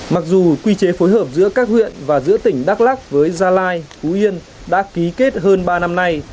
mặc dù quy chế phối hợp giữa các huyện và giữa tỉnh đắk lắc với gia lai phú yên đã ký kết hơn ba năm nay